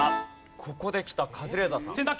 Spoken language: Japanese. ここできたカズレーザーさん。